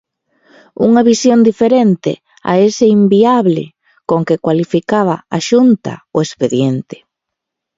Unha visión diferente a ese "inviable" con que cualificaba a Xunta o expediente.